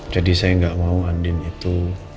jadi saya gak mau andin itu